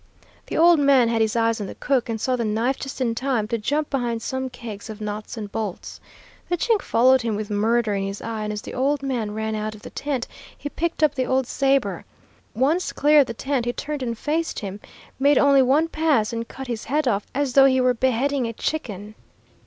The old man had his eyes on the cook, and saw the knife just in time to jump behind some kegs of nuts and bolts. The Chink followed him with murder in his eye, and as the old man ran out of the tent he picked up the old sabre. Once clear of the tent he turned and faced him, made only one pass, and cut his head off as though he were beheading a chicken.